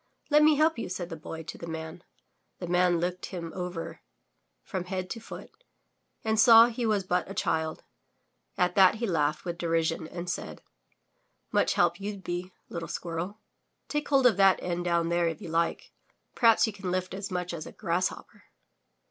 'Xet me help you, said the Boy to the Man. The Man looked him over from head to foot and saw he was but a child. At that he laughed with derision and said: ''Much help you*ll be, little squirrel. Take hold of that end down there, if you like. Perhaps you can lift as much as a grass hopper!